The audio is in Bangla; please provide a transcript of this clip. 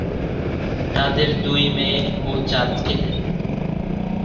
তাঁদের দুই মেয়ে ও চার ছেলে।